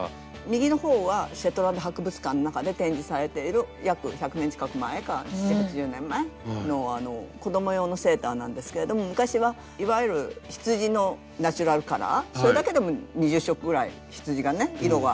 右のほうはシェットランド博物館の中で展示されている約１００年近く前か７０８０年前の子供用のセーターなんですけれども昔はいわゆる羊のナチュラルカラーそれだけでも２０色ぐらい羊がね色があるんですけれども。